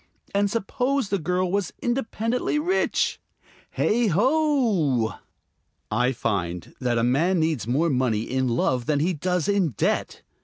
And suppose the girl was independently rich? Heigh ho! I find that a man needs more money in love than he does in debt.